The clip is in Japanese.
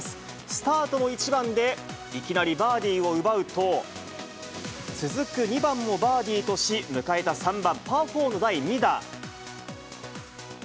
スタートの１番でいきなりバーディーを奪うと、続く２番もバーディーとし、迎えた３番パー４の第２打。